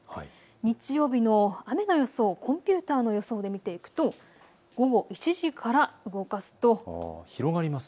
日曜日の雨の予想、コンピューターの予想で見ていくと午後１時から動かします。